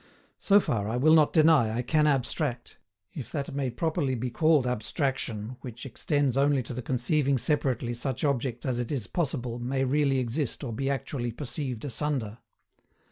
So far, I will not deny, I can abstract if that may properly be called ABSTRACTION which extends only to the conceiving separately such objects as it is possible may really exist or be actually perceived asunder.